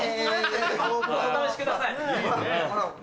お試しください。